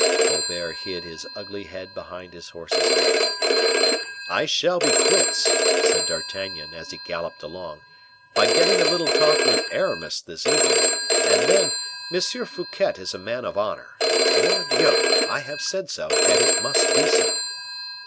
Colbert hid his ugly head behind his horse's neck. "I shall be quits," said D'Artagnan, as he galloped along, "by getting a little talk with Aramis this evening. And then, M. Fouquet is a man of honor. Mordioux! I have said so, and it must be so."